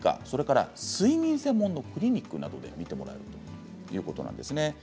それから睡眠専門のクリニックなどで診てくれるということなんですね。